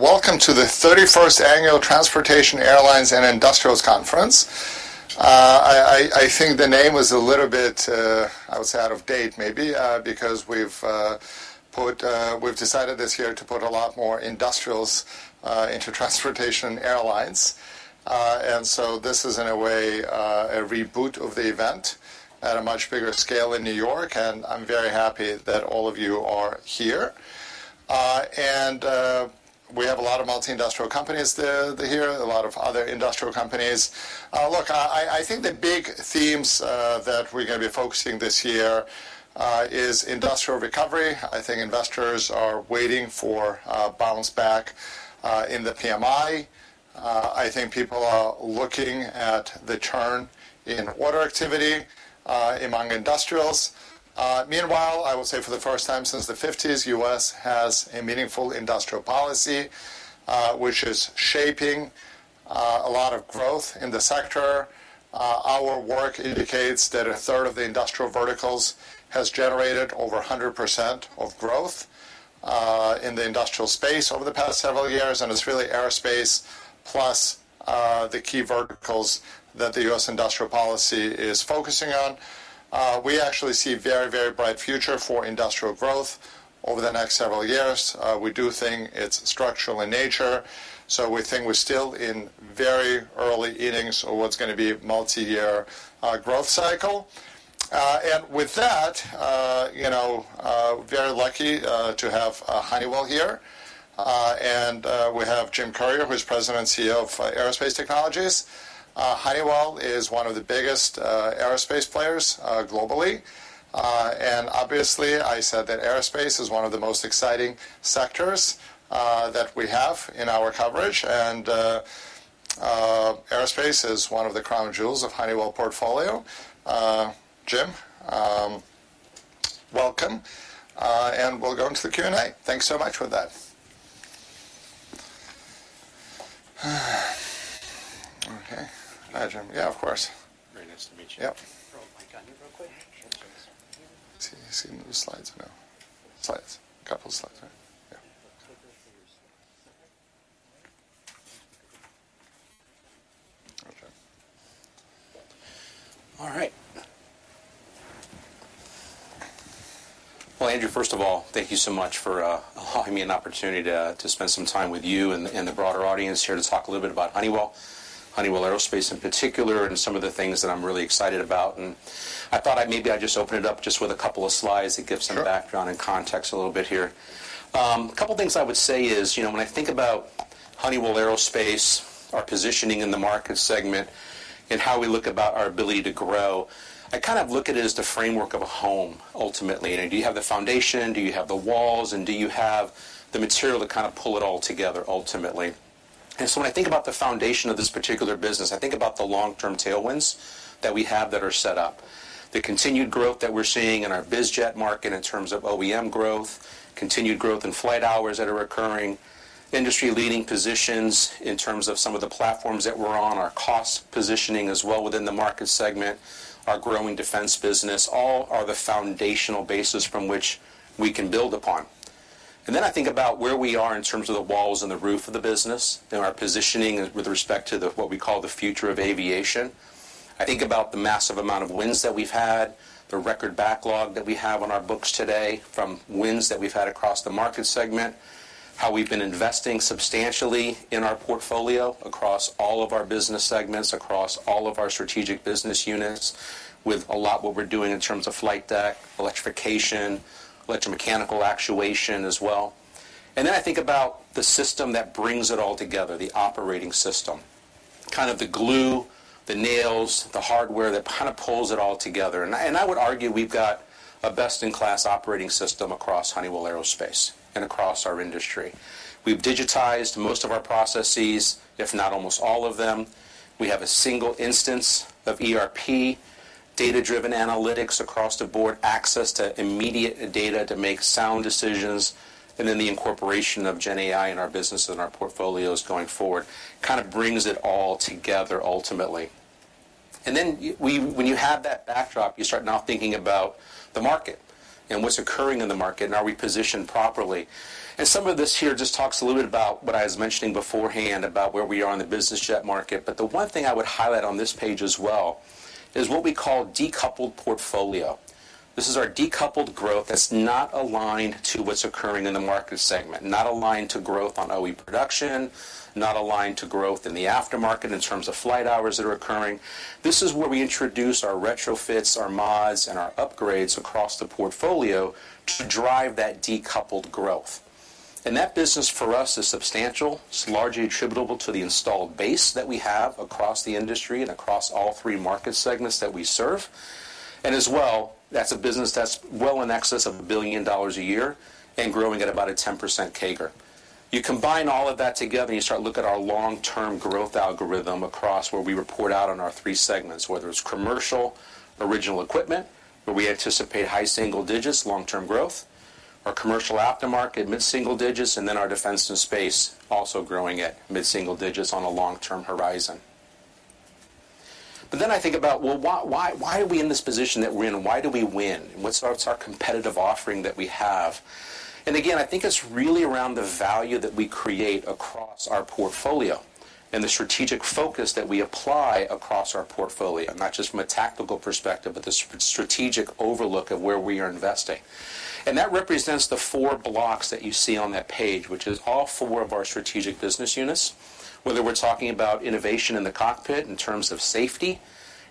Welcome to the 31st Annual Transportation, Airlines, and Industrials Conference. I think the name is a little bit, I would say, out of date maybe because we've decided this year to put a lot more industrials into transportation and airlines. And so this is, in a way, a reboot of the event at a much bigger scale in New York, and I'm very happy that all of you are here. And we have a lot of multi-industrial companies here, a lot of other industrial companies. Look, I think the big themes that we're going to be focusing on this year is industrial recovery. I think investors are waiting for a bounce back in the PMI. I think people are looking at the turn in water activity among industrials. Meanwhile, I would say for the first time since the 1950s, the U.S. has a meaningful industrial policy which is shaping a lot of growth in the sector. Our work indicates that 1/3 of the industrial verticals has generated over 100% of growth in the industrial space over the past several years, and it's really aerospace plus the key verticals that the U.S. industrial policy is focusing on. We actually see a very, very bright future for industrial growth over the next several years. We do think it's structural in nature, so we think we're still in very early innings of what's going to be a multi-year growth cycle. And with that, very lucky to have Honeywell here, and we have Jim Currier, who's President and CEO of Honeywell Aerospace Technologies. Honeywell is one of the biggest aerospace players globally, and obviously, I said that aerospace is one of the most exciting sectors that we have in our coverage, and aerospace is one of the crown jewels of Honeywell's portfolio. Jim, welcome, and we'll go into the Q&A. Thanks so much for that. Okay. Hi, Jim. Yeah, of course. Very nice to meet you. Yep. Throw a mic on you real quick? Sure thing. Seeing the slides, I know. Slides. A couple of slides, right? Yeah. We'll take a look at your slides. Okay? All right. Well, Andrew, first of all, thank you so much for allowing me an opportunity to spend some time with you and the broader audience here to talk a little bit about Honeywell, Honeywell Aerospace in particular, and some of the things that I'm really excited about. I thought maybe I'd just open it up just with a couple of slides that give some background and context a little bit here. A couple of things I would say is when I think about Honeywell Aerospace, our positioning in the market segment, and how we look about our ability to grow, I kind of look at it as the framework of a home, ultimately. Do you have the foundation? Do you have the walls? And do you have the material to kind of pull it all together, ultimately? And so when I think about the foundation of this particular business, I think about the long-term tailwinds that we have that are set up, the continued growth that we're seeing in our bizjet market in terms of OEM growth, continued growth in flight hours that are occurring, industry-leading positions in terms of some of the platforms that we're on, our cost positioning as well within the market segment, our growing defense business, all are the foundational bases from which we can build upon. And then I think about where we are in terms of the walls and the roof of the business and our positioning with respect to what we call the future of aviation. I think about the massive amount of wins that we've had, the record backlog that we have on our books today from wins that we've had across the market segment, how we've been investing substantially in our portfolio across all of our business segments, across all of our strategic business units with a lot of what we're doing in terms of flight deck, electrification, electromechanical actuation as well. And then I think about the system that brings it all together, the operating system, kind of the glue, the nails, the hardware that kind of pulls it all together. And I would argue we've got a best-in-class operating system across Honeywell Aerospace and across our industry. We've digitized most of our processes, if not almost all of them. We have a single instance of ERP, data-driven analytics across the board, access to immediate data to make sound decisions. And then the incorporation of genAI in our businesses and our portfolios going forward kind of brings it all together, ultimately. And then when you have that backdrop, you start now thinking about the market and what's occurring in the market, and are we positioned properly? And some of this here just talks a little bit about what I was mentioning beforehand about where we are in the bizjet market. But the one thing I would highlight on this page as well is what we call decoupled portfolio. This is our decoupled growth that's not aligned to what's occurring in the market segment, not aligned to growth on OE production, not aligned to growth in the aftermarket in terms of flight hours that are occurring. This is where we introduce our retrofits, our mods, and our upgrades across the portfolio to drive that decoupled growth. That business, for us, is substantial. It's largely attributable to the installed base that we have across the industry and across all three market segments that we serve. And as well, that's a business that's well in excess of $1 billion a year and growing at about 10% CAGR. You combine all of that together, and you start looking at our long-term growth algorithm across where we report out on our three segments, whether it's commercial, original equipment, where we anticipate high single digits long-term growth, our commercial aftermarket mid-single digits, and then our defense and space also growing at mid-single digits on a long-term horizon. But then I think about, well, why are we in this position that we're in? Why do we win? What's our competitive offering that we have? And again, I think it's really around the value that we create across our portfolio and the strategic focus that we apply across our portfolio, not just from a tactical perspective, but the strategic overlook of where we are investing. And that represents the four blocks that you see on that page, which is all four of our strategic business units, whether we're talking about innovation in the cockpit in terms of safety,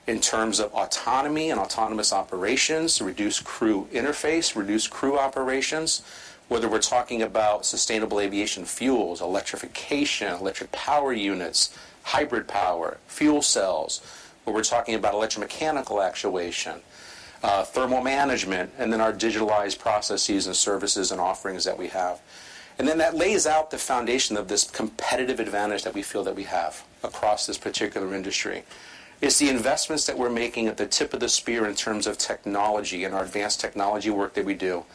in terms of autonomy and autonomous operations, reduced crew interface, reduced crew operations, whether we're talking about sustainable aviation fuels, electrification, electric power units, hybrid power, fuel cells, whether we're talking about electromechanical actuation, thermal management, and then our digitalized processes and services and offerings that we have. And then that lays out the foundation of this competitive advantage that we feel that we have across this particular industry. It's the investments that we're making at the tip of the spear in terms of technology and our advanced technology work that we do.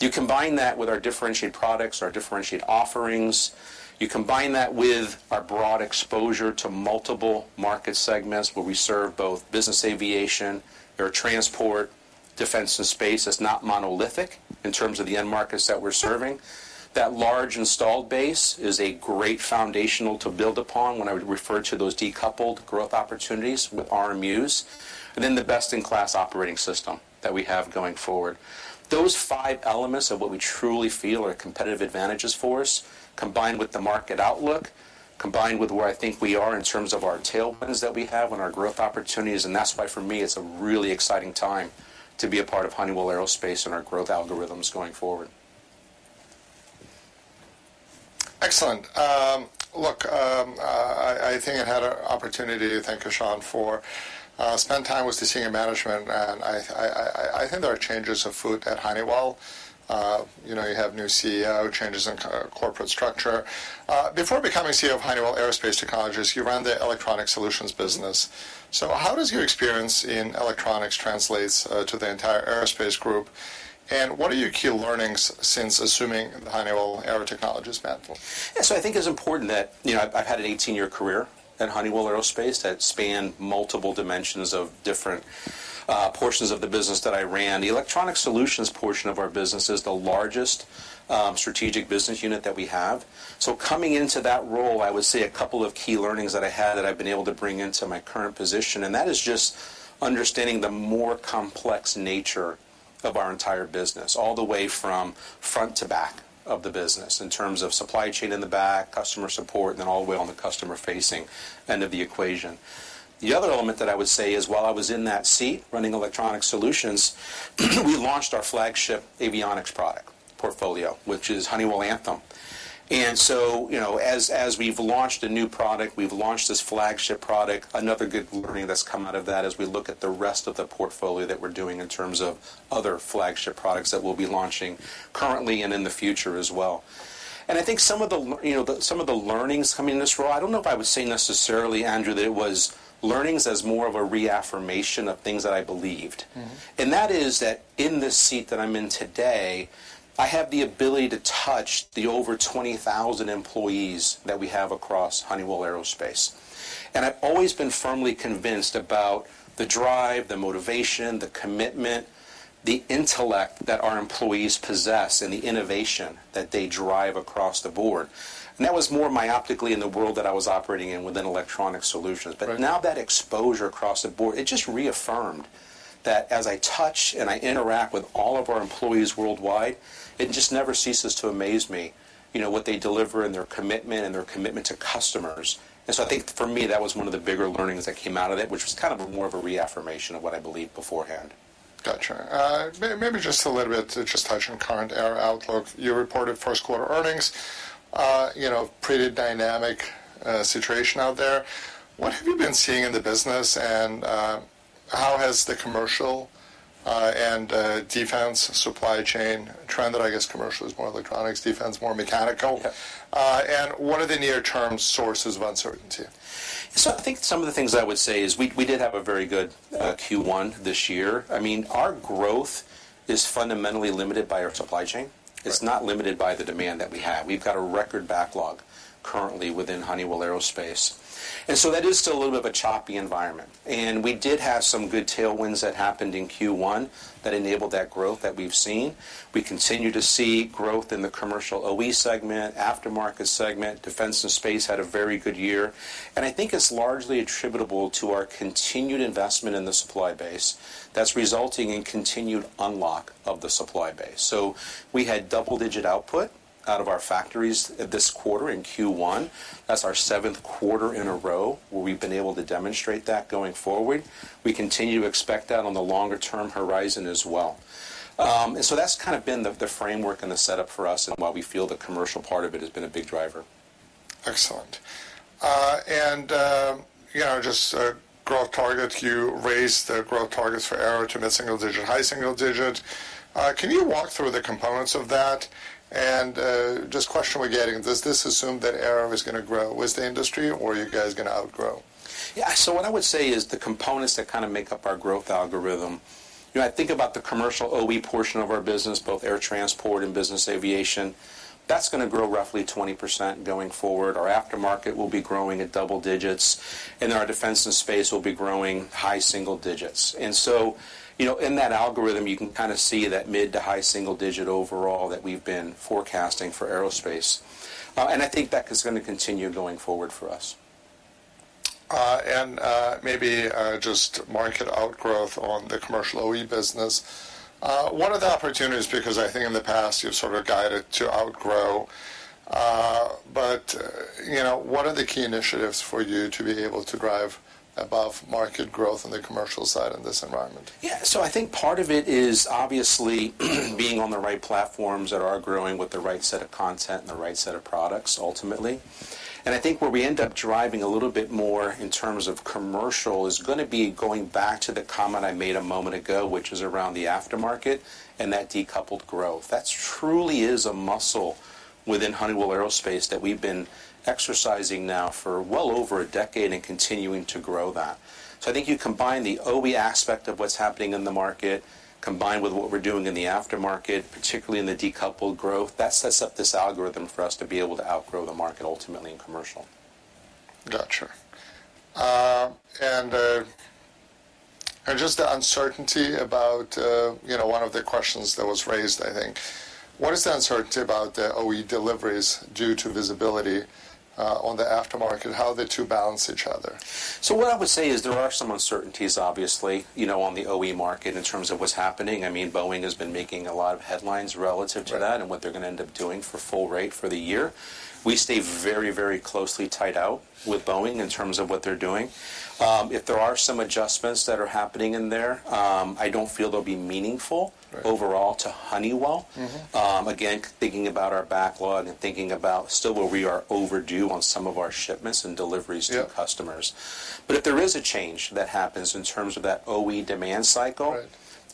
You combine that with our differentiated products, our differentiated offerings. You combine that with our broad exposure to multiple market segments where we serve both business aviation, air transport, defense and space that's not monolithic in terms of the end markets that we're serving. That large installed base is a great foundational to build upon when I refer to those decoupled growth opportunities with RMUs, and then the best-in-class operating system that we have going forward. Those five elements of what we truly feel are competitive advantages for us, combined with the market outlook, combined with where I think we are in terms of our tailwinds that we have and our growth opportunities. That's why, for me, it's a really exciting time to be a part of Honeywell Aerospace and our growth algorithms going forward. Excellent. Look, I think I had an opportunity to thank you, Sean, for spending time with the senior management. I think there are changes afoot at Honeywell. You have a new CEO, changes in corporate structure. Before becoming CEO of Honeywell Aerospace Technologies, you ran the electronic solutions business. So how does your experience in electronics translate to the entire aerospace group, and what are your key learnings since assuming the Honeywell Aerospace Technologies mantle? Yeah. So I think it's important that I've had an 18-year career at Honeywell Aerospace that spanned multiple dimensions of different portions of the business that I ran. The electronic solutions portion of our business is the largest strategic business unit that we have. So coming into that role, I would say a couple of key learnings that I had that I've been able to bring into my current position, and that is just understanding the more complex nature of our entire business, all the way from front to back of the business in terms of supply chain in the back, customer support, and then all the way on the customer-facing end of the equation. The other element that I would say is while I was in that seat running electronic solutions, we launched our flagship avionics product portfolio, which is Honeywell Anthem. And so as we've launched a new product, we've launched this flagship product. Another good learning that's come out of that is we look at the rest of the portfolio that we're doing in terms of other flagship products that we'll be launching currently and in the future as well. I think some of the some of the learnings coming in this role, I don't know if I would say necessarily, Andrew, that it was learnings as more of a reaffirmation of things that I believed. That is that in this seat that I'm in today, I have the ability to touch the over 20,000 employees that we have across Honeywell Aerospace. I've always been firmly convinced about the drive, the motivation, the commitment, the intellect that our employees possess, and the innovation that they drive across the board. And that was more myopically in the world that I was operating in within electronic solutions. But now that exposure across the board, it just reaffirmed that as I touch and I interact with all of our employees worldwide, it just never ceases to amaze me what they deliver and their commitment and their commitment to customers. And so I think, for me, that was one of the bigger learnings that came out of it, which was kind of more of a reaffirmation of what I believed beforehand. Gotcha. Maybe just a little bit just touching current air outlook. You reported first-quarter earnings, pretty dynamic situation out there. What have you been seeing in the business, and how has the commercial and defense supply chain trend that I guess commercial is more electronics, defense more mechanical? And what are the near-term sources of uncertainty? So I think some of the things I would say is we did have a very good Q1 this year. I mean, our growth is fundamentally limited by our supply chain. It's not limited by the demand that we have. We've got a record backlog currently within Honeywell Aerospace. And so that is still a little bit of a choppy environment. And we did have some good tailwinds that happened in Q1 that enabled that growth that we've seen. We continue to see growth in the commercial OE segment, aftermarket segment. Defense and space had a very good year. And I think it's largely attributable to our continued investment in the supply base that's resulting in continued unlock of the supply base. So we had double-digit output out of our factories this quarter in Q1. That's our seventh quarter in a row where we've been able to demonstrate that going forward. We continue to expect that on the longer-term horizon as well. And so that's kind of been the framework and the setup for us and why we feel the commercial part of it has been a big driver. Excellent. And just growth targets, you raised the growth targets for air to mid-single digit, high single digit. Can you walk through the components of that? Just question we're getting, does this assume that air is going to grow with the industry, or are you guys going to outgrow? Yeah. So what I would say is the components that kind of make up our growth algorithm. I think about the commercial OE portion of our business, both air transport and business aviation. That's going to grow roughly 20% going forward. Our aftermarket will be growing at double digits, and our defense and space will be growing high single digits. And so in that algorithm, you can kind of see that mid- to high-single-digit overall that we've been forecasting for aerospace. And I think that is going to continue going forward for us. Maybe just market outgrowth on the commercial OE business. What are the opportunities? Because I think in the past, you've sort of guided to outgrow. But what are the key initiatives for you to be able to drive above market growth on the commercial side in this environment? Yeah. So I think part of it is obviously being on the right platforms that are growing with the right set of content and the right set of products, ultimately. And I think where we end up driving a little bit more in terms of commercial is going back to the comment I made a moment ago, which is around the aftermarket and that decoupled growth. That truly is a muscle within Honeywell Aerospace that we've been exercising now for well over a decade and continuing to grow that. So I think you combine the OE aspect of what's happening in the market, combine with what we're doing in the aftermarket, particularly in the decoupled growth, that sets up this algorithm for us to be able to outgrow the market, ultimately, in commercial. Gotcha. And just the uncertainty about one of the questions that was raised, I think, what is the uncertainty about the OE deliveries due to visibility on the aftermarket? How do the two balance each other? So what I would say is there are some uncertainties, obviously, on the OE market in terms of what's happening. I mean, Boeing has been making a lot of headlines relative to that and what they're going to end up doing for full rate for the year. We stay very, very closely tied out with Boeing in terms of what they're doing. If there are some adjustments that are happening in there, I don't feel they'll be meaningful overall to Honeywell. Again, thinking about our backlog and thinking about still where we are overdue on some of our shipments and deliveries to customers. But if there is a change that happens in terms of that OE demand cycle,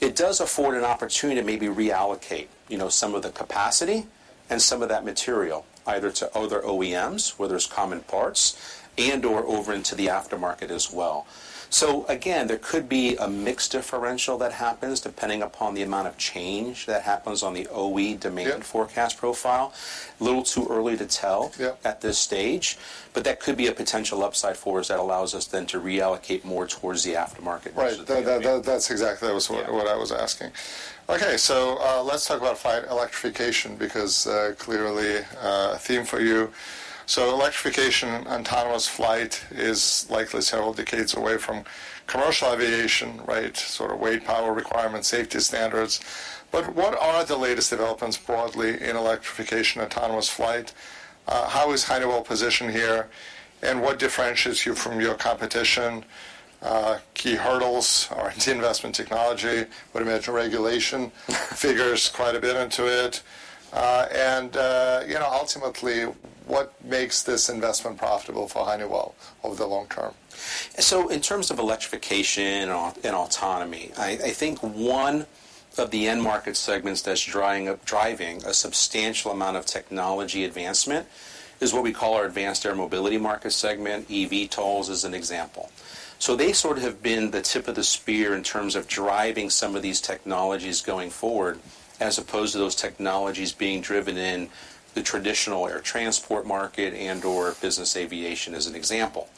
it does afford an opportunity to maybe reallocate some of the capacity and some of that material either to other OEMs where there's common parts and/or over into the aftermarket as well. So again, there could be a mixed differential that happens depending upon the amount of change that happens on the OE demand forecast profile. A little too early to tell at this stage, but that could be a potential upside for us that allows us then to reallocate more towards the aftermarket versus the OE. Right. That's exactly what I was asking. Okay. So let's talk about flight electrification because clearly a theme for you. So electrification, autonomous flight is likely several decades away from commercial aviation, right, sort of weight, power requirements, safety standards. But what are the latest developments broadly in electrification, autonomous flight? How is Honeywell positioned here, and what differentiates you from your competition? Key hurdles are the investment, technology. I would imagine regulation figures quite a bit into it. And ultimately, what makes this investment profitable for Honeywell over the long term? So in terms of electrification and autonomy, I think one of the end market segments that's driving a substantial amount of technology advancement is what we call our advanced air mobility market segment, eVTOLs as an example. So they sort of have been the tip of the spear in terms of driving some of these technologies going forward as opposed to those technologies being driven in the traditional air transport market and/or business aviation as an example.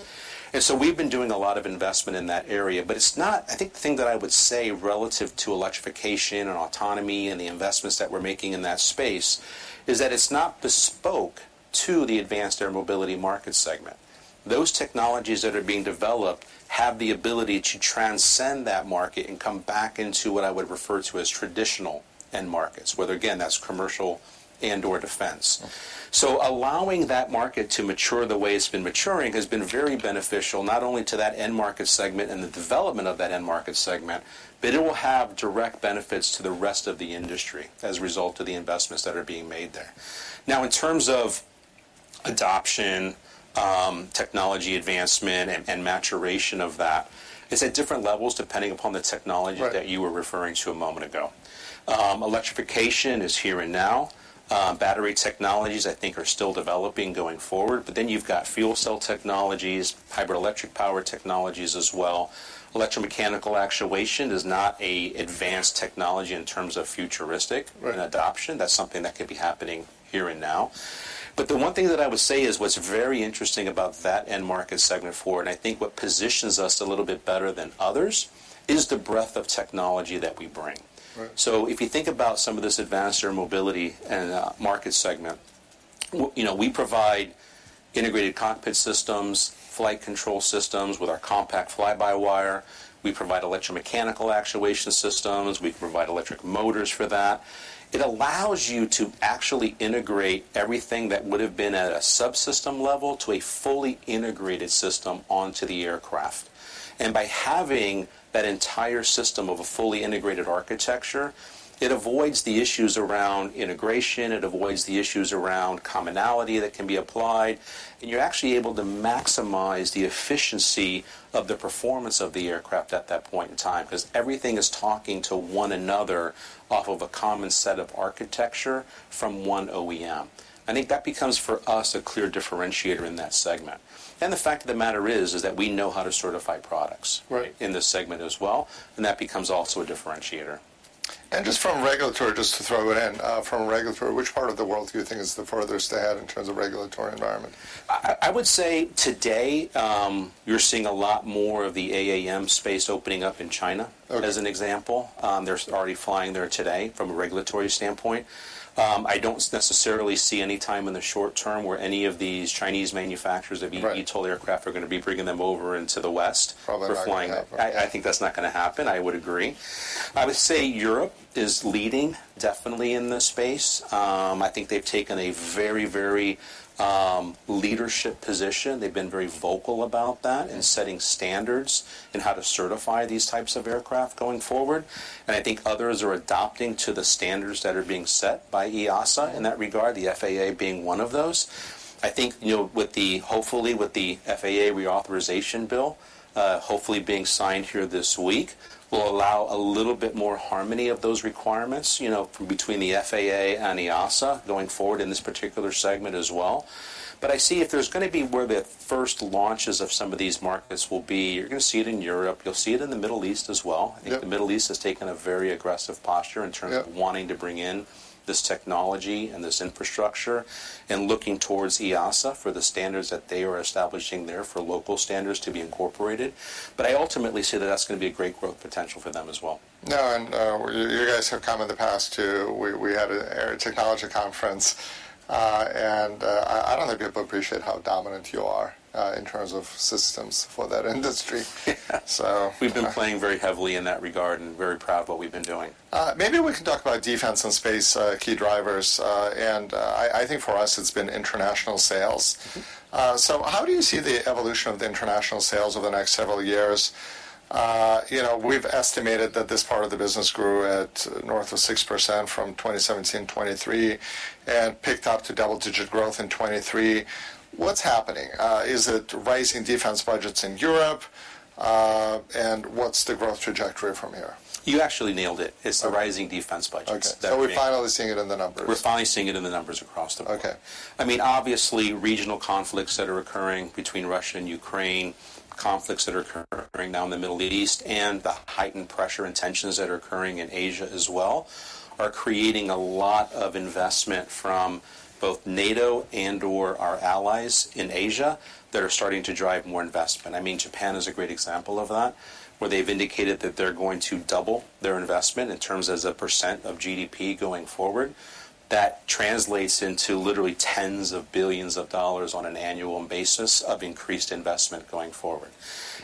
And so we've been doing a lot of investment in that area. But I think the thing that I would say relative to electrification and autonomy and the investments that we're making in that space is that it's not bespoke to the advanced air mobility market segment. Those technologies that are being developed have the ability to transcend that market and come back into what I would refer to as traditional end markets, whether, again, that's commercial and/or defense. So allowing that market to mature the way it's been maturing has been very beneficial not only to that end market segment and the development of that end market segment, but it will have direct benefits to the rest of the industry as a result of the investments that are being made there. Now, in terms of adoption, technology advancement, and maturation of that, it's at different levels depending upon the technology that you were referring to a moment ago. Electrification is here and now. Battery technologies, I think, are still developing going forward. But then you've got fuel cell technologies, hybrid electric power technologies as well. Electromechanical actuation is not an advanced technology in terms of futuristic and adoption. That's something that could be happening here and now. But the one thing that I would say is what's very interesting about that end market segment for, and I think what positions us a little bit better than others, is the breadth of technology that we bring. So if you think about some of this advanced air mobility and market segment, we provide integrated cockpit systems, flight control systems with our compact fly-by-wire. We provide electromechanical actuation systems. We provide electric motors for that. It allows you to actually integrate everything that would have been at a subsystem level to a fully integrated system onto the aircraft. And by having that entire system of a fully integrated architecture, it avoids the issues around integration. It avoids the issues around commonality that can be applied. You're actually able to maximize the efficiency of the performance of the aircraft at that point in time because everything is talking to one another off of a common set of architecture from one OEM. I think that becomes for us a clear differentiator in that segment. The fact of the matter is that we know how to certify products in this segment as well, and that becomes also a differentiator. Just from regulatory, just to throw it in, from regulatory, which part of the world do you think is the furthest ahead in terms of regulatory environment? I would say today, you're seeing a lot more of the AAM space opening up in China as an example. They're already flying there today from a regulatory standpoint. I don't necessarily see any time in the short term where any of these Chinese manufacturers of eVTOL aircraft are going to be bringing them over into the West for flying that. I think that's not going to happen. I would agree. I would say Europe is leading, definitely, in this space. I think they've taken a very, very leadership position. They've been very vocal about that and setting standards in how to certify these types of aircraft going forward. And I think others are adopting to the standards that are being set by EASA in that regard, the FAA being one of those. I think, hopefully, with the FAA reauthorization bill, hopefully being signed here this week, will allow a little bit more harmony of those requirements between the FAA and EASA going forward in this particular segment as well. But I see if there's going to be where the first launches of some of these markets will be, you're going to see it in Europe. You'll see it in the Middle East as well. I think the Middle East has taken a very aggressive posture in terms of wanting to bring in this technology and this infrastructure and looking towards EASA for the standards that they are establishing there for local standards to be incorporated. But I ultimately see that that's going to be a great growth potential for them as well. No. And you guys have come in the past too. We had a technology conference, and I don't know if people appreciate how dominant you are in terms of systems for that industry, so. We've been playing very heavily in that regard and very proud of what we've been doing. Maybe we can talk about defense and space key drivers. And I think for us, it's been international sales. So how do you see the evolution of the international sales over the next several years? We've estimated that this part of the business grew at north of 6% from 2017 to 2023 and picked up to double-digit growth in 2023. What's happening? Is it rising defense budgets in Europe? And what's the growth trajectory from here? You actually nailed it. It's the rising defense budgets that are being. Okay. So we're finally seeing it in the numbers. We're finally seeing it in the numbers across the board. I mean, obviously, regional conflicts that are occurring between Russia and Ukraine, conflicts that are occurring now in the Middle East, and the heightened pressure and tensions that are occurring in Asia as well are creating a lot of investment from both NATO and/or our allies in Asia that are starting to drive more investment. I mean, Japan is a great example of that where they've indicated that they're going to double their investment in terms as a percent of GDP going forward. That translates into literally tens of billions of dollars on an annual basis of increased investment going forward.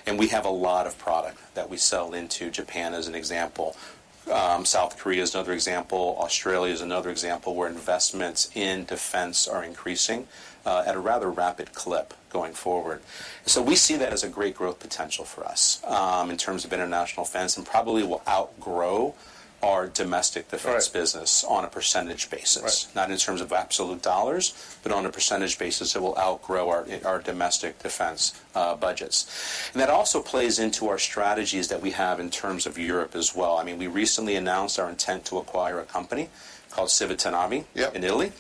And we have a lot of product that we sell into Japan as an example. South Korea is another example. Australia is another example where investments in defense are increasing at a rather rapid clip going forward. So we see that as a great growth potential for us in terms of international defense and probably will outgrow our domestic defense business on a percentage basis, not in terms of absolute dollars, but on a percentage basis that will outgrow our domestic defense budgets. And that also plays into our strategies that we have in terms of Europe as well. I mean, we recently announced our intent to acquire a company called Civitanavi in Italy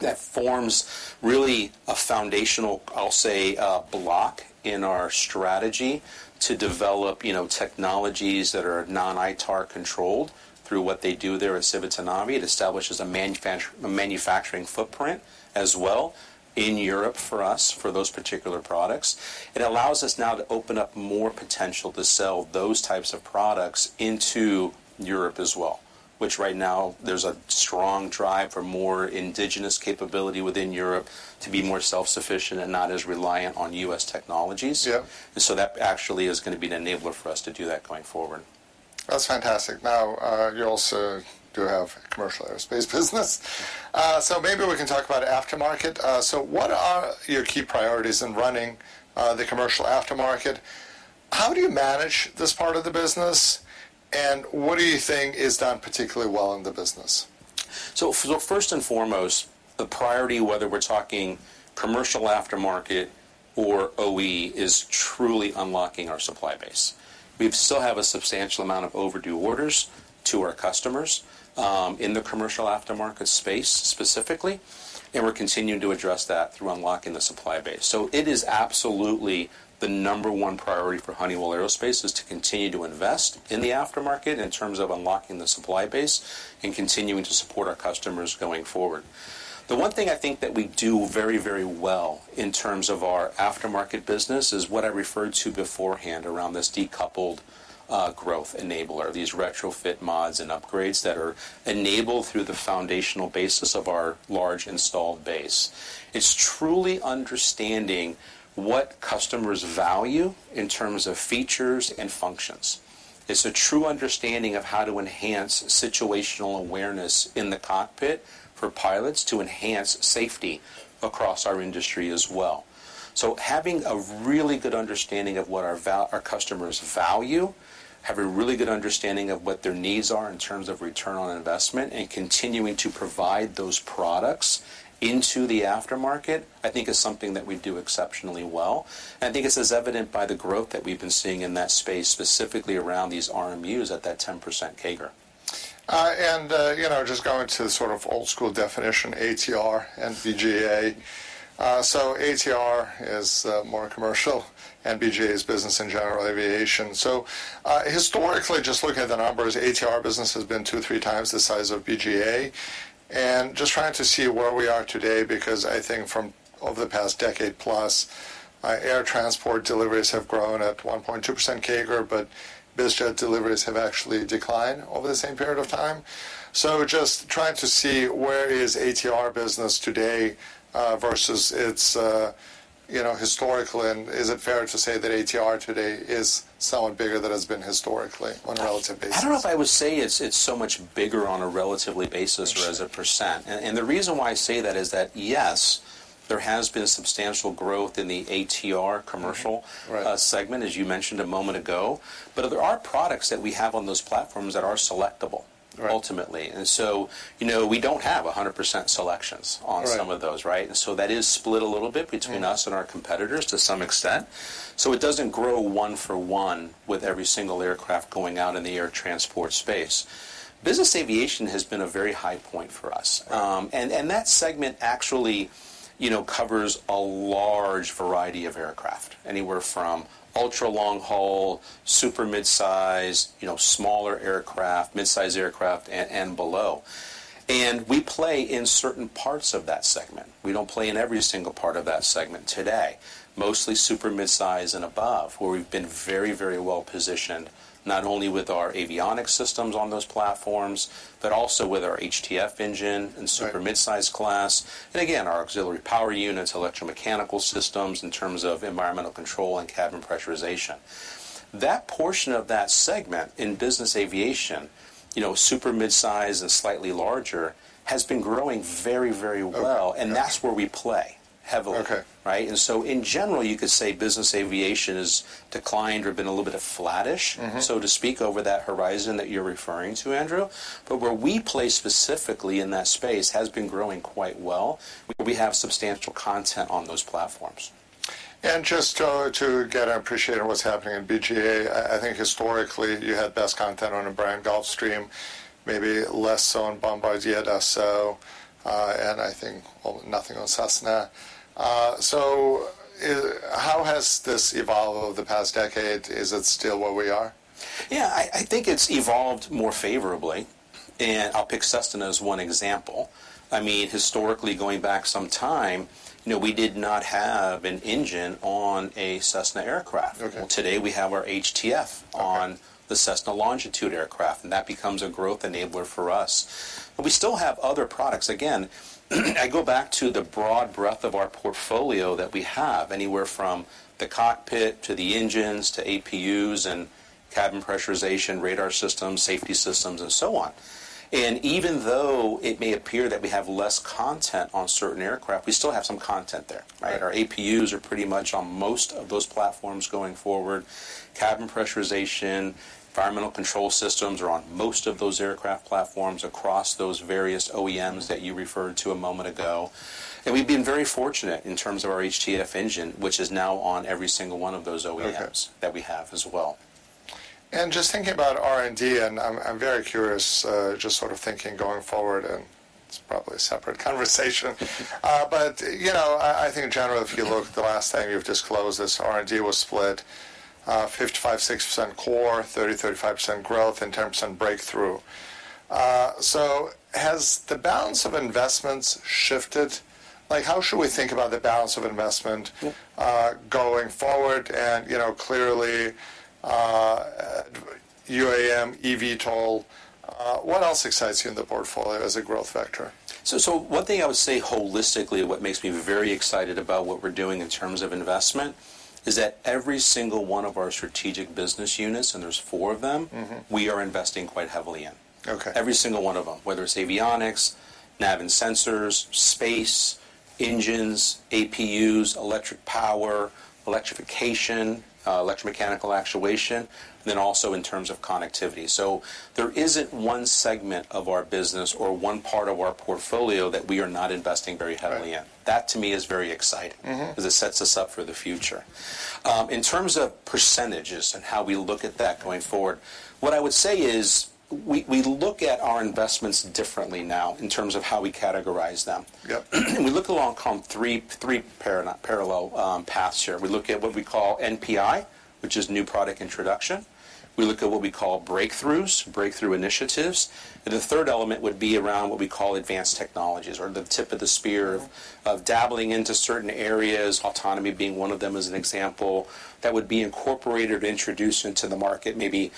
that forms really a foundational, I'll say, block in our strategy to develop technologies that are non-ITAR controlled through what they do there at Civitanavi. It establishes a manufacturing footprint as well in Europe for us for those particular products. It allows us now to open up more potential to sell those types of products into Europe as well, which right now, there's a strong drive for more indigenous capability within Europe to be more self-sufficient and not as reliant on U.S. technologies. And so that actually is going to be an enabler for us to do that going forward. That's fantastic. Now, you also do have a commercial aerospace business. So maybe we can talk about aftermarket. So what are your key priorities in running the commercial aftermarket? How do you manage this part of the business? And what do you think is done particularly well in the business? So first and foremost, the priority, whether we're talking commercial aftermarket or OE, is truly unlocking our supply base. We still have a substantial amount of overdue orders to our customers in the commercial aftermarket space specifically, and we're continuing to address that through unlocking the supply base. So it is absolutely the number one priority for Honeywell Aerospace is to continue to invest in the aftermarket in terms of unlocking the supply base and continuing to support our customers going forward. The one thing I think that we do very, very well in terms of our aftermarket business is what I referred to beforehand around this decoupled growth enabler, these retrofit mods and upgrades that are enabled through the foundational basis of our large installed base. It's truly understanding what customers value in terms of features and functions. It's a true understanding of how to enhance situational awareness in the cockpit for pilots to enhance safety across our industry as well. So having a really good understanding of what our customers value, having a really good understanding of what their needs are in terms of return on investment, and continuing to provide those products into the aftermarket, I think, is something that we do exceptionally well. And I think it's as evident by the growth that we've been seeing in that space specifically around these RMUs at that 10% CAGR. And just going to sort of old-school definition, ATR and BGA. So ATR is more commercial. BGA is business and general aviation. So historically, just looking at the numbers, ATR business has been two to three times the size of BGA. And just trying to see where we are today because I think over the past decade-plus, air transport deliveries have grown at 1.2% CAGR, but BizJet deliveries have actually declined over the same period of time. So just trying to see where is ATR business today versus its historical, and is it fair to say that ATR today is somewhat bigger than it's been historically on a relative basis? I don't know if I would say it's so much bigger on a relative basis or as a percent. The reason why I say that is that, yes, there has been substantial growth in the ATR commercial segment, as you mentioned a moment ago. But there are products that we have on those platforms that are selectable, ultimately. And so we don't have 100% selections on some of those, right? And so that is split a little bit between us and our competitors to some extent. So it doesn't grow one-for-one with every single aircraft going out in the air transport space. Business aviation has been a very high point for us. And that segment actually covers a large variety of aircraft, anywhere from ultra-long haul, super midsize, smaller aircraft, midsize aircraft, and below. And we play in certain parts of that segment. We don't play in every single part of that segment today, mostly super midsize and above where we've been very, very well positioned not only with our avionics systems on those platforms but also with our HTF engine and super midsize class and, again, our auxiliary power units, electromechanical systems in terms of environmental control and cabin pressurization. That portion of that segment in business aviation, super midsize and slightly larger, has been growing very, very well, and that's where we play heavily, right? And so in general, you could say business aviation has declined or been a little bit of flatish, so to speak, over that horizon that you're referring to, Andrew. But where we play specifically in that space has been growing quite well where we have substantial content on those platforms. Just to get an appreciation of what's happening in BGA, I think historically, you had best content on a big one, Gulfstream, maybe less so on Bombardier, Dassault, and I think nothing on Cessna. How has this evolved over the past decade? Is it still where we are? Yeah. I think it's evolved more favorably. I'll pick Cessna as one example. I mean, historically, going back some time, we did not have an engine on a Cessna aircraft. Well, today, we have our HTF on the Cessna Longitude aircraft, and that becomes a growth enabler for us. We still have other products. Again, I go back to the broad breadth of our portfolio that we have, anywhere from the cockpit to the engines to APUs and cabin pressurization, radar systems, safety systems, and so on. Even though it may appear that we have less content on certain aircraft, we still have some content there, right? Our APUs are pretty much on most of those platforms going forward. Cabin pressurization, environmental control systems are on most of those aircraft platforms across those various OEMs that you referred to a moment ago. We've been very fortunate in terms of our HTF engine, which is now on every single one of those OEMs that we have as well. Just thinking about R&D, and I'm very curious, just sort of thinking going forward, and it's probably a separate conversation. But I think in general, if you look, the last thing you've disclosed is R&D was split, 55%-60% core, 30%-35% growth, and 10% breakthrough. So has the balance of investments shifted? How should we think about the balance of investment going forward? And clearly, UAM, eVTOL, what else excites you in the portfolio as a growth vector? So one thing I would say holistically, what makes me very excited about what we're doing in terms of investment is that every single one of our strategic business units, and there's four of them, we are investing quite heavily in, every single one of them, whether it's avionics, nav and sensors, space, engines, APUs, electric power, electrification, electromechanical actuation, and then also in terms of connectivity. So there isn't one segment of our business or one part of our portfolio that we are not investing very heavily in. That, to me, is very exciting because it sets us up for the future. In terms of percentages and how we look at that going forward, what I would say is we look at our investments differently now in terms of how we categorize them. And we look along three parallel paths here. We look at what we call NPI, which is new product introduction. We look at what we call breakthroughs, breakthrough initiatives. The third element would be around what we call advanced technologies or the tip of the spear of dabbling into certain areas, autonomy being one of them as an example, that would be incorporated or introduced into the market maybe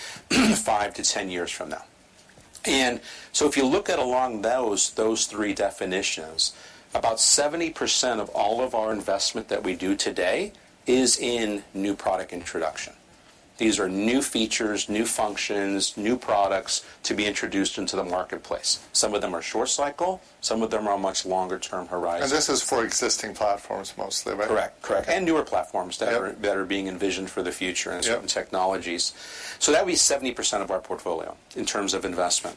five to 10 years from now. So if you look at along those three definitions, about 70% of all of our investment that we do today is in new product introduction. These are new features, new functions, new products to be introduced into the marketplace. Some of them are short-cycle. Some of them are on a much longer-term horizon. This is for existing platforms mostly, right? Correct. Correct. And newer platforms that are being envisioned for the future and certain technologies. So that would be 70% of our portfolio in terms of investment.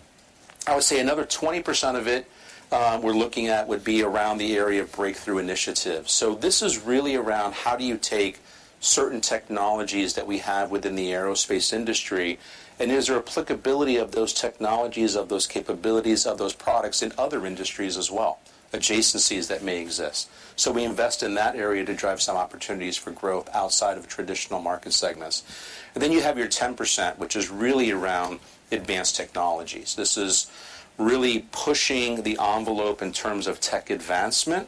I would say another 20% of it we're looking at would be around the area of breakthrough initiatives. So this is really around how do you take certain technologies that we have within the aerospace industry, and is there applicability of those technologies, of those capabilities, of those products in other industries as well, adjacencies that may exist. So we invest in that area to drive some opportunities for growth outside of traditional market segments. And then you have your 10%, which is really around advanced technologies. This is really pushing the envelope in terms of tech advancement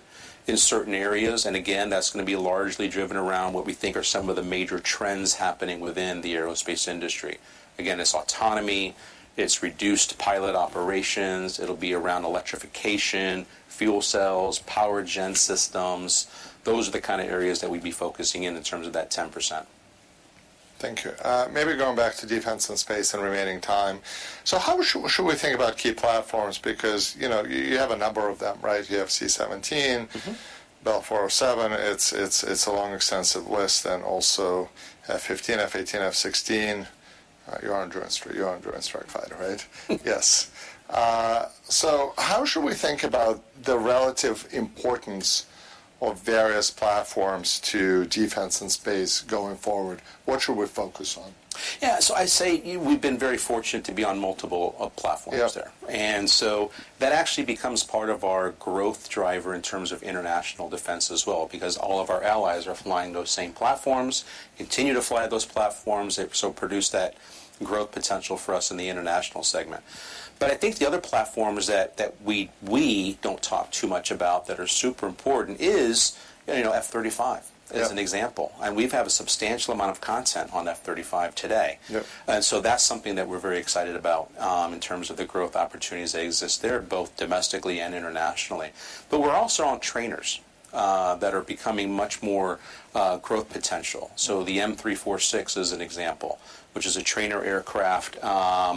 in certain areas. Again, that's going to be largely driven around what we think are some of the major trends happening within the aerospace industry. Again, it's autonomy. It's reduced pilot operations. It'll be around electrification, fuel cells, power gen systems. Those are the kind of areas that we'd be focusing in in terms of that 10%. Thank you. Maybe going back to defense and space in remaining time. So how should we think about key platforms? Because you have a number of them, right? You have C-17, Bell 407. It's a long, extensive list. Also F-15, F-18, F-16, your endurance strike fighter, right? Yes. So how should we think about the relative importance of various platforms to defense and space going forward? What should we focus on? Yeah. So I'd say we've been very fortunate to be on multiple platforms there. And so that actually becomes part of our growth driver in terms of international defense as well because all of our allies are flying those same platforms, continue to fly those platforms, so produce that growth potential for us in the international segment. But I think the other platforms that we don't talk too much about that are super important is F-35 as an example. And we have a substantial amount of content on F-35 today. And so that's something that we're very excited about in terms of the growth opportunities that exist there, both domestically and internationally. But we're also on trainers that are becoming much more growth potential. So the M-346 is an example, which is a trainer aircraft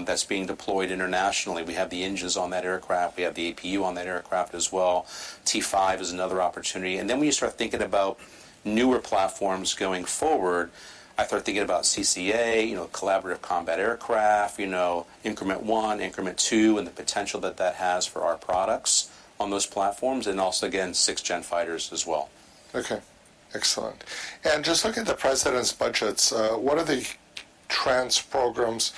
that's being deployed internationally. We have the engines on that aircraft. We have the APU on that aircraft as well. T-5 is another opportunity. And then when you start thinking about newer platforms going forward, I start thinking about CCA, collaborative combat aircraft, increment one, increment two, and the potential that that has for our products on those platforms and also, again, sixth-gen fighters as well. Okay. Excellent. Just looking at the President's budgets, what are the trans programs?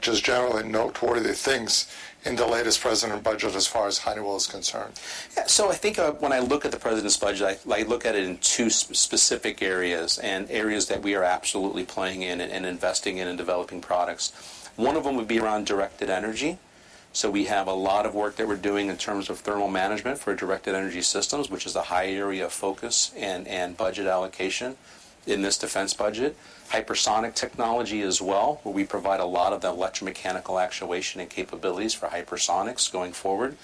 Just generally note, what are the things in the latest President's budget as far as Honeywell is concerned? Yeah. So I think when I look at the president's budget, I look at it in two specific areas and areas that we are absolutely playing in and investing in and developing products. One of them would be around directed energy. So we have a lot of work that we're doing in terms of thermal management for directed energy systems, which is a high area of focus and budget allocation in this defense budget. Hypersonic technology as well, where we provide a lot of the electromechanical actuation and capabilities for hypersonics going forward.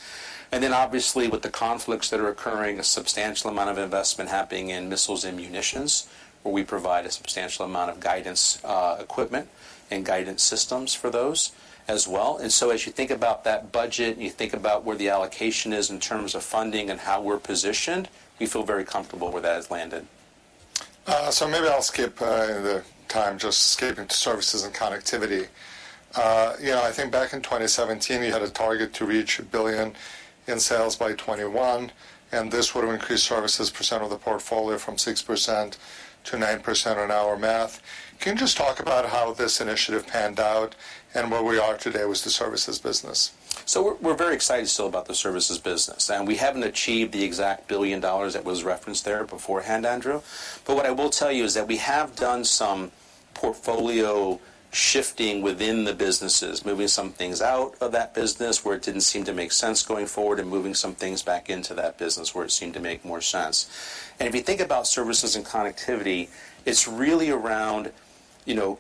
And then obviously, with the conflicts that are occurring, a substantial amount of investment happening in missiles and munitions where we provide a substantial amount of guidance equipment and guidance systems for those as well. And so as you think about that budget, you think about where the allocation is in terms of funding and how we're positioned, we feel very comfortable where that has landed. Maybe I'll skip in the time, just skipping to services and connectivity. I think back in 2017, you had a target to reach $1 billion in sales by 2021, and this would have increased services percent of the portfolio from 6%-9% on our math. Can you just talk about how this initiative panned out and where we are today with the services business? So we're very excited still about the services business, and we haven't achieved the exact $1 billion that was referenced there beforehand, Andrew. But what I will tell you is that we have done some portfolio shifting within the businesses, moving some things out of that business where it didn't seem to make sense going forward and moving some things back into that business where it seemed to make more sense. And if you think about services and connectivity, it's really around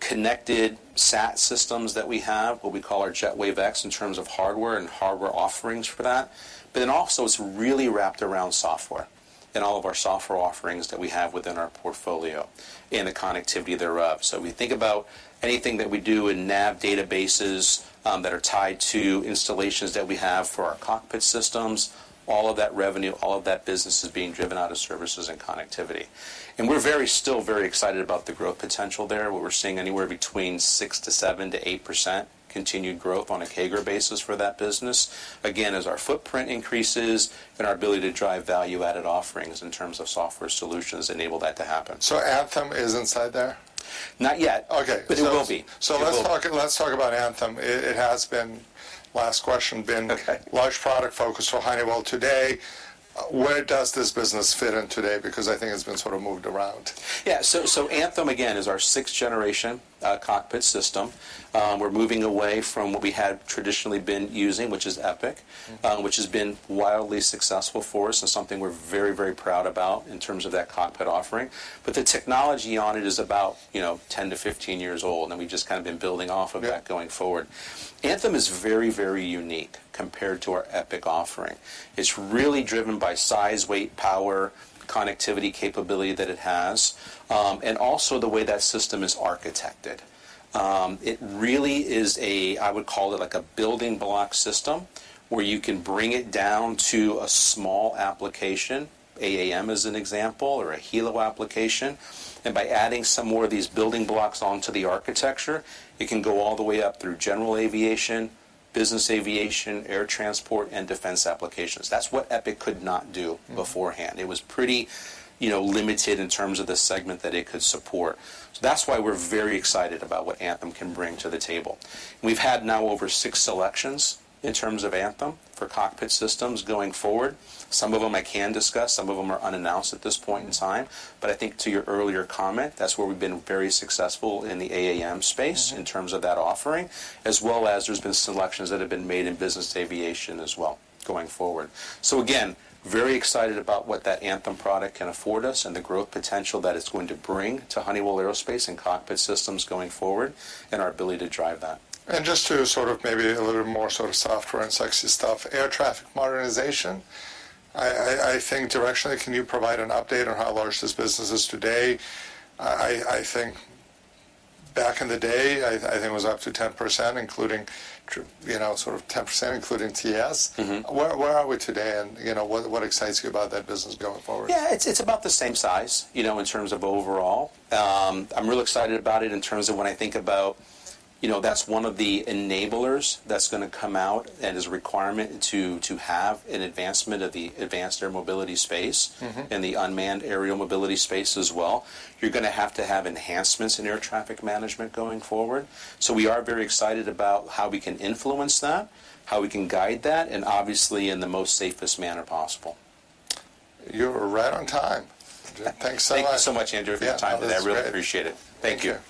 connected SAT systems that we have, what we call our JetWave X in terms of hardware and hardware offerings for that. But then also, it's really wrapped around software and all of our software offerings that we have within our portfolio and the connectivity thereof. So if you think about anything that we do in nav databases that are tied to installations that we have for our cockpit systems, all of that revenue, all of that business is being driven out of services and connectivity. And we're still very excited about the growth potential there, where we're seeing anywhere between 6%-8% continued growth on a CAGR basis for that business, again, as our footprint increases and our ability to drive value-added offerings in terms of software solutions enable that to happen. So Anthem is inside there? Not yet, but it will be. Okay. So let's talk about Anthem. Last question, been large product focus for Honeywell today. Where does this business fit in today? Because I think it's been sort of moved around. Yeah. So Anthem, again, is our sixth-generation cockpit system. We're moving away from what we had traditionally been using, which is Epic, which has been wildly successful for us and something we're very, very proud about in terms of that cockpit offering. But the technology on it is about 10-15 years old, and then we've just kind of been building off of that going forward. Anthem is very, very unique compared to our Epic offering. It's really driven by size, weight, power, connectivity capability that it has, and also the way that system is architected. It really is. I would call it a building block system where you can bring it down to a small application, AAM as an example, or a helo application. By adding some more of these building blocks onto the architecture, it can go all the way up through general aviation, business aviation, air transport, and defense applications. That's what Epic could not do beforehand. It was pretty limited in terms of the segment that it could support. So that's why we're very excited about what Anthem can bring to the table. We've had now over six selections in terms of Anthem for cockpit systems going forward. Some of them I can discuss. Some of them are unannounced at this point in time. But I think to your earlier comment, that's where we've been very successful in the AAM space in terms of that offering, as well as there's been selections that have been made in business aviation as well going forward. So again, very excited about what that Anthem product can afford us and the growth potential that it's going to bring to Honeywell Aerospace and cockpit systems going forward and our ability to drive that. Just to sort of maybe a little more sort of software and sexy stuff, air traffic modernization, I think directionally, can you provide an update on how large this business is today? I think back in the day, I think it was up to 10%, sort of 10% including TS. Where are we today, and what excites you about that business going forward? Yeah. It's about the same size in terms of overall. I'm really excited about it in terms of when I think about that's one of the enablers that's going to come out and is a requirement to have an advancement of the advanced air mobility space and the unmanned aerial mobility space as well. You're going to have to have enhancements in air traffic management going forward. So we are very excited about how we can influence that, how we can guide that, and obviously, in the most safest manner possible. You're right on time. Thanks so much. Thank you so much, Andrew, for your time. I really appreciate it. Thank you.